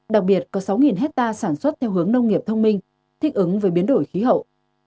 đặc biệt có sáu hectare sản xuất theo hướng nông nghiệp thông minh thích ứng với biến đổi khí hậu